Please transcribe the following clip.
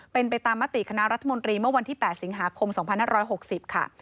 เป็นไปตามมติคณะรัฐมนตรีเมื่อวันที่๘สิงหาคม๒๕๖๐ค่ะ